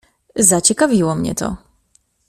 "Zaciekawiło mnie to."